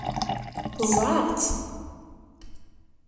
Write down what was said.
Ẓẓɛeɣ-t.